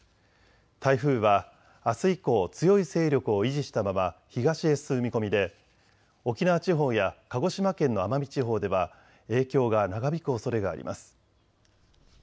台風はあす以降、強い勢力を維持したまま東へ進む見込みで沖縄地方や鹿児島県の奄美地方では影響が長引くおそれがあります。